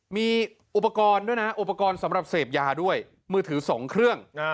มีอุปกรณ์ด้วยนะอุปกรณ์สำหรับเสพยาด้วยมือถือ๒เครื่อง